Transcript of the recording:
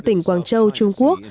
tỉnh quảng châu trung quốc